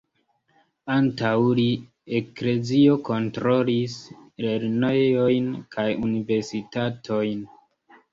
Antaŭ li, Eklezio kontrolis lernejojn kaj Universitatojn.